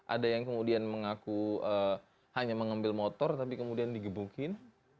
ada yang kemudian mengaku hanya mengambil motor tapi kemudian digebukin